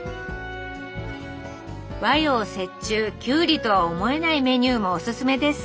和洋折衷きゅうりとは思えないメニューもおすすめです。